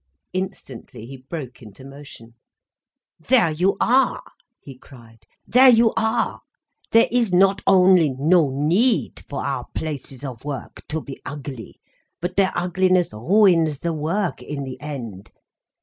Instantly he broke into motion. "There you are!" he cried, "there you are! There is not only no need for our places of work to be ugly, but their ugliness ruins the work, in the end.